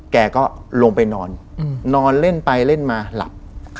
แกก็ลงไปนอนนอนเล่นไปเล่นมาหลับ